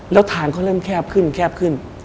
แล้วทางก็เริ่มแคบขึ้น